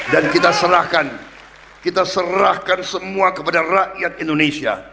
dan kita serahkan kita serahkan semua kepada rakyat indonesia